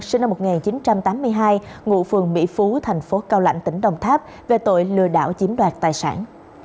sinh năm một nghìn chín trăm tám mươi hai ngụ phường mỹ phú thành phố cao lạnh tỉnh đồng tháp về tội lừa đảo chiếm đoạt tài sản